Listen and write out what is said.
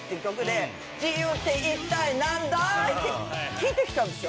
聞いてきたんですよ